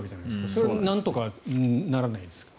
それはなんとかならないんですか？